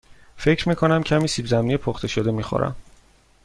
فکر می کنم کمی سیب زمینی پخته شده می خورم.